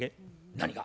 何が？